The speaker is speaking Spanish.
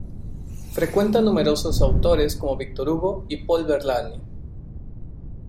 Frecuenta numerosos autores como Victor Hugo y Paul Verlaine.